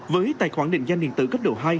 với tài khoản định danh điện tử cấp độ hai